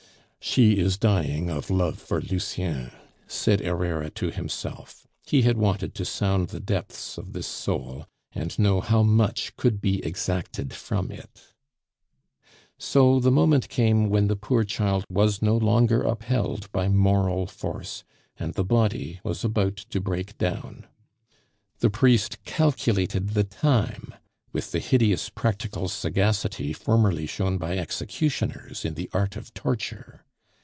"She is dying of love for Lucien," said Herrera to himself; he had wanted to sound the depths of this soul, and know how much could be exacted from it. So the moment came when the poor child was no longer upheld by moral force, and the body was about to break down. The priest calculated the time with the hideous practical sagacity formerly shown by executioners in the art of torture.